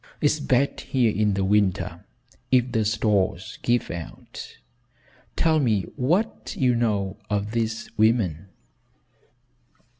It's bad here in the winter if the stores give out. Tell me what you know of these women."